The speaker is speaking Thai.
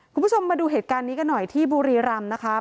คุณผู้ชมมาดูเหตุการณ์นี้กันหน่อยที่บุรีรำนะคะ